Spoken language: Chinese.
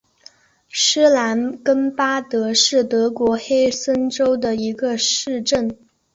施兰根巴德是德国黑森州的一个市镇。